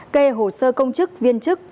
kê hồ sơ công chức viên chức